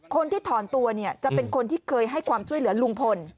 คนที่ถอนตัวเนี่ยจะเป็นคนที่เคยให้ความช่วยเหลือลุงพล